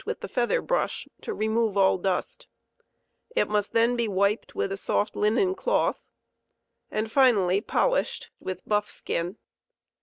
with the feather brash to remove all dust* It must then be wiped with a soft linen cloth, and finally polished with buff skin.